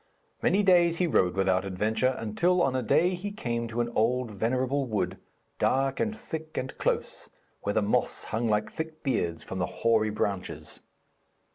Many days he rode without adventure, until on a day he came to an old and venerable wood, dark and thick and close, where the moss hung like thick beards from the hoary branches.